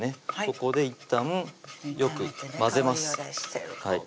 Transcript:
ここでいったんよく混ぜます